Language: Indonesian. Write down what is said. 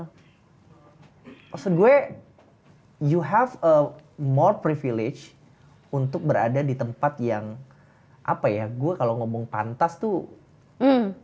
maksud gue yo you have more privilege untuk berada di tempat yang apa ya gue kalau ngomong pantas tuh